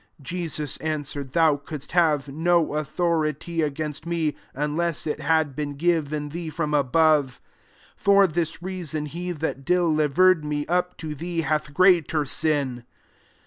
11 Jesus answered^ " Thou couldst have no authoj rity against me, unless it had been given thee from above ; for this reason, he that deliver^ ed me up to thee hath greatd sin."